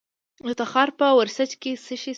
د تخار په ورسج کې څه شی شته؟